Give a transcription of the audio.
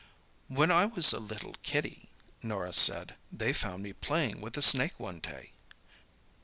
"When I was a little kiddie," Norah said, "they found me playing with a snake one day."